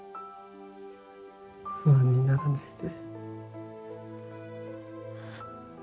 不安にならないで